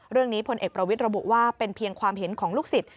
เรื่องนี้ฝนเอกประวิทย์ระบุว่าเป็นเพียงความเห็นของลูกศิษฐ์